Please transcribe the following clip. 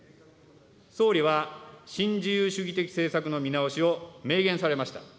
総理は新自由主義的政策の見直しを明言されました。